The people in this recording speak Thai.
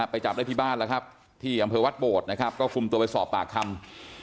ไปจับได้ที่บ้านแล้วครับที่อำเภอวัดโบดนะครับก็คุมตัวไปสอบปากคำ